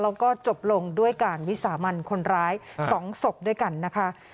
แล้วก็จบลงด้วยการวิสามันคนร้าย๒ศพด้วยกันนะคะ